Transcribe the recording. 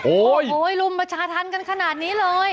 โอ้โหรุมประชาธรรมกันขนาดนี้เลย